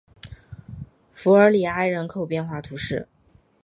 弗尔里埃人口变化图示